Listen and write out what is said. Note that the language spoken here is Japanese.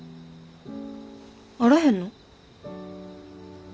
あらへんの？